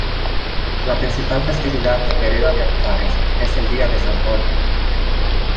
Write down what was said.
La principal festividad de Pereda de Ancares es el día de San Jorge.